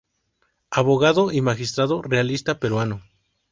Abogado y magistrado realista peruano.